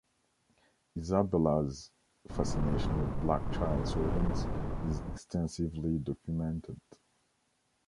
Isabella's fascination with black child servants is extensively documented.